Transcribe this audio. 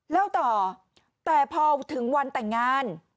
เล่าต่อแต่พอถึงวันแต่งงาน